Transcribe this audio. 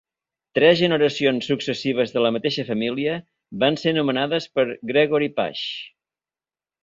Tres generacions successives de la mateixa família van ser nomenades per Gregory Page.